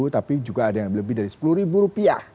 tapi juga ada yang lebih dari rp sepuluh